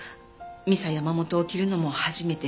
ミサヤマモトを着るのも初めて。